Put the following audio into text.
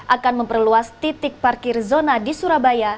akan memperluas titik parkir zona di surabaya